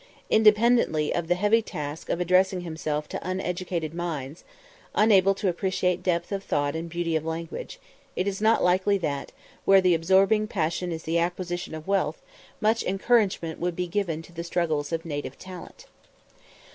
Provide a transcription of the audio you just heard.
Independently of the heavy task of addressing himself to uneducated minds, unable to appreciate depth of thought and beauty of language, it is not likely that, where the absorbing passion is the acquisition of wealth, much encouragement would be given to the struggles of native talent.